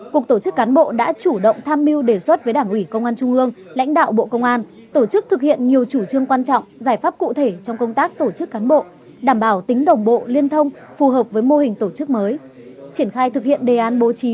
cục tổ chức cán bộ đã chủ động tham mưu đề xuất với đảng ủy công an trung ương lãnh đạo bộ công an tổ chức thực hiện nhiều chủ trương quan trọng giải pháp cụ thể trong công tác tổ chức cán bộ đảm bảo tính đồng bộ liên thông phù hợp với mô hình tổ chức mới